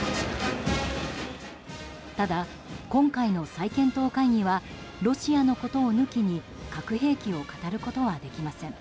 ただ、今回の再検討会議はロシアのことを抜きに核兵器を語ることはできません。